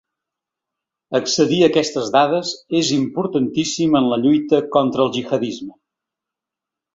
Accedir a aquestes dades és importantíssim en la lluita contra el gihadisme.